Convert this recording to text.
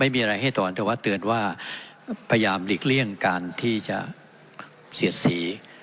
ไม่มีอะไรให้ถอนแต่ว่าเตือนว่าพยายามหลีกเลี่ยงการที่จะเสียดสี